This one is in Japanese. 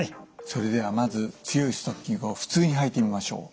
それではまず強いストッキングを普通に履いてみましょう。